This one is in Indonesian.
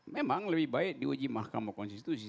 memang lebih baik diuji mahkamah konstitusi